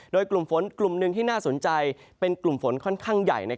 โดยกลุ่มฝนกลุ่มหนึ่งที่น่าสนใจเป็นกลุ่มฝนค่อนข้างใหญ่